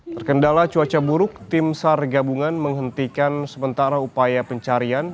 terkendala cuaca buruk tim sar gabungan menghentikan sementara upaya pencarian